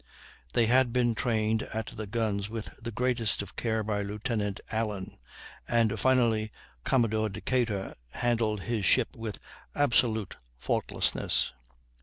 They had been trained at the guns with the greatest care by Lieutenant Allen. And finally Commodore Decatur handled his ship with absolute faultlessness.